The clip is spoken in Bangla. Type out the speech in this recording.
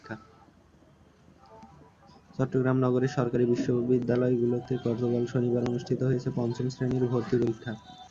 চট্টগ্রাম নগরের সরকারি বিদ্যালয়গুলোতে গতকাল শনিবার অনুষ্ঠিত হয়েছে পঞ্চম শ্রেণীর ভর্তি পরীক্ষা।